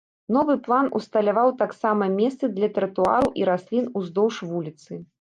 Новы план усталяваў таксама месцы для тратуараў і раслін уздоўж вуліцы.